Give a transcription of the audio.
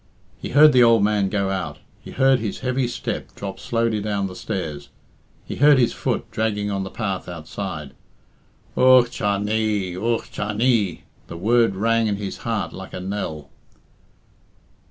He heard the old man go out; he heard his heavy step drop slowly down the stairs; he heard his foot dragging on the path outside. "Ugh cha nee! Ugh cha nee!" The word rang in his heart like a knell.